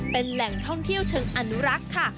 เป็นแหล่งท่องเที่ยวเชิงอนุรักษ์ค่ะ